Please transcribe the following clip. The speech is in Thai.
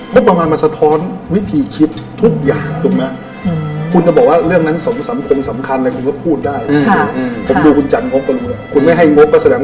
งบระมาณมาสะท้อนวิธีคิดทุกอย่างถูกไหม